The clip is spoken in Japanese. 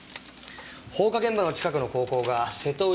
放火現場の近くの高校が瀬戸内